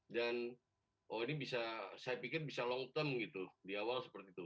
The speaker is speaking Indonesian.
dan oh ini bisa saya pikir bisa long term gitu di awal seperti itu